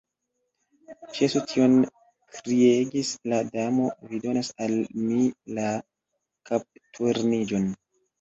"Ĉesu tion," kriegis la Damo, "vi donas al mi la kapturniĝon!"